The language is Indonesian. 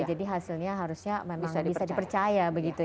jadi hasilnya harusnya memang bisa dipercaya